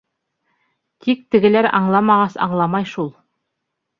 Тик тегеләр аңламағас аңламай шул.